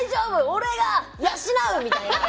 俺が養う！みたいな。